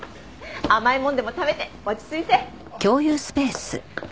甘いものでも食べて落ち着いて。